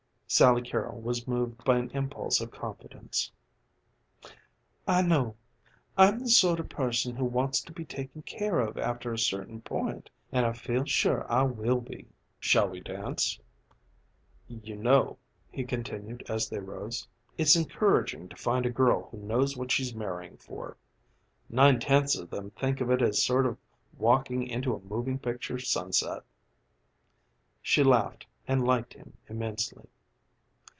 Sally Carrol was moved by an impulse of confidence. "I know. I'm the sort of person who wants to be taken care of after a certain point, and I feel sure I will be." "Shall we dance? You know," he continued as they rose, "it's encouraging to find a girl who knows what she's marrying for. Nine tenths of them think of it as a sort of walking into a moving picture sunset." She laughed and liked him immensely.